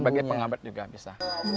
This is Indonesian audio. sebagai pengabat juga bisa